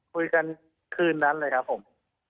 คุยกันคืนนั้นเลยครับผม